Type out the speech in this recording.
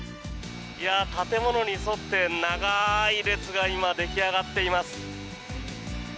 建物に沿って長い列が今、出来上がっています。